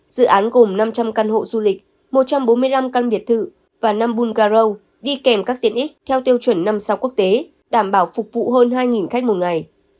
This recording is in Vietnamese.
dự án gồm năm trăm linh căn hộ du lịch một trăm bốn mươi năm căn biệt thự và năm bulgari đi kèm các tiện ích theo tiêu chuẩn năm sao quốc tế đảm bảo phục vụ hơn hai khách một ngày